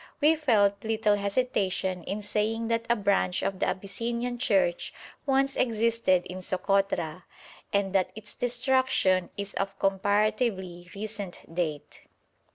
We felt little hesitation in saying that a branch of the Abyssinian Church once existed in Sokotra, and that its destruction is of comparatively recent date.